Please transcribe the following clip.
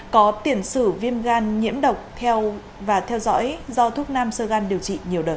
có tiền sử viêm gan nhiễm độc và theo dõi do thuốc nam sơ gan điều trị nhiều đợt